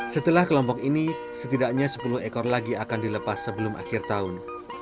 setelah kelompok ini setidaknya sepuluh ekor lagi akan dilepas sebelum akhir tahun